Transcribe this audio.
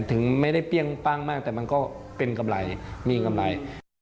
ถึงไม่ได้เปรี้ยงปั้งมากแต่มันก็เป็นกำไรมีกำไร